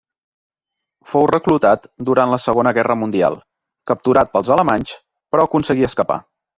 Fou reclutat durant la Segona Guerra mundial; capturat pels alemanys, però aconseguí escapar.